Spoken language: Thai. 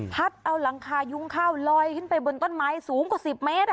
เอาหลังคายุ้งข้าวลอยขึ้นไปบนต้นไม้สูงกว่า๑๐เมตร